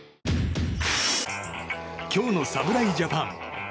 今日の侍ジャパン。